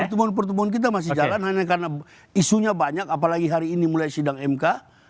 pertemuan pertemuan kita masih jalan hanya karena isunya banyak apalagi hari ini mulai sidang mk